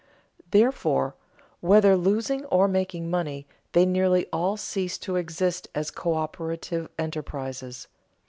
Therefore, whether losing or making money, they nearly all cease to exist as coöperative enterprises.